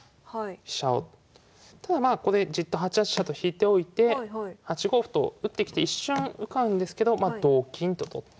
飛車をただまあじっとここで８八飛車と引いておいて８五歩と打ってきて一瞬受かるんですけど同金と取って。